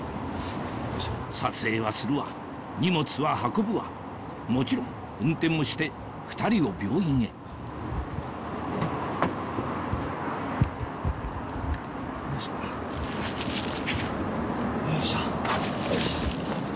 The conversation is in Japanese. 撮影はするわ荷物は運ぶわもちろん運転もして２人を病院へよいしょ。